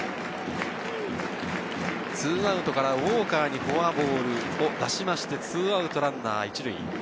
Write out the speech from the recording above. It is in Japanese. ２アウトからウォーカーにフォアボールを出しまして、２アウトランナー１塁。